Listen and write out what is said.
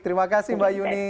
terima kasih mbak yuni